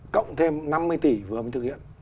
cộng thêm năm mươi tỷ vừa mới thực hiện